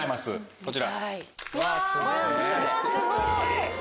こちら。